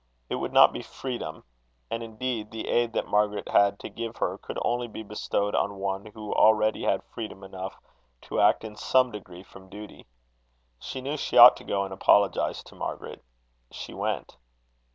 It would not be freedom. And indeed, the aid that Margaret had to give her, could only be bestowed on one who already had freedom enough to act in some degree from duty. She knew she ought to go and apologize to Margaret. She went.